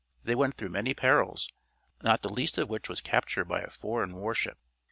They went through many perils, not the least of which was capture by a foreign warship.